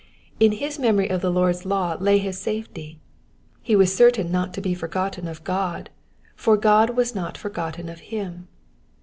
In his memory of the Lord's law lay his safety ; he was certain not to be for gotten of God, for Gojl was not forgotten of him.